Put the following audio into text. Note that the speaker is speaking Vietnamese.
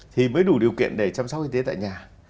thì mới đủ điều kiện để chăm sóc y tế tại nhà